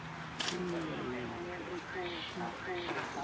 ที่